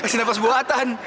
kasih nafas buatan